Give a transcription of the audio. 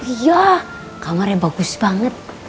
iya kamarnya bagus banget